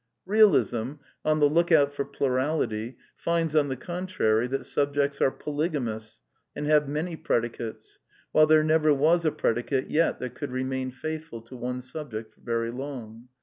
Bealism, on the look out for plurality, finds, on the contrary, that subjects are polygamous and have many predicates, while there never was a predicate yet that could remain faithful to one sub ject for very long.